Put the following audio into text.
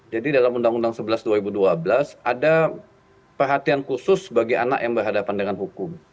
jadi dalam undang undang sebelas dua ribu dua belas ada perhatian khusus bagi anak yang berhadapan dengan hukum